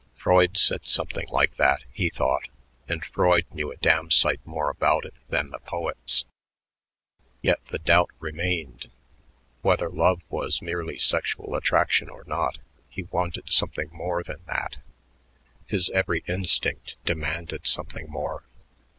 Freud said something like that, he thought, and Freud knew a damn sight more about it than the poets. Yet, the doubt remained. Whether love was merely sexual attraction or not, he wanted something more than that; his every instinct demanded something more.